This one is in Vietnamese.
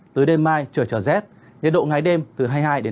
tới đêm mai trở trở rét nhiệt độ ngày đêm từ hai mươi hai đến hai mươi chín độ